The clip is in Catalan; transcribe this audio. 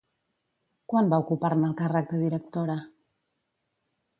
Quan va ocupar-ne el càrrec de directora?